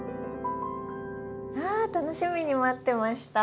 あ楽しみに待ってました。